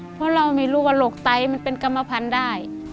เพราะเราไม่รู้ว่าโรคไตมันเป็นกรรมพันธุ์ได้